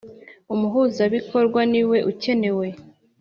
Umuhuzabikorwa niwe ukenewe.